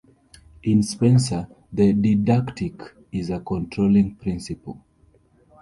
In Spenser the didactic is a controlling principle.